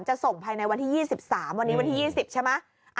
จะส่งภายในวันที่๒๓วันนี้วันที่๒๐ใช่ไหม